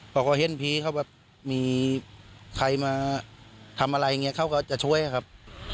พอเขาเห็นผีเขาแบบมีใครมาทำอะไรอย่างนี้เขาก็จะช่วยครับ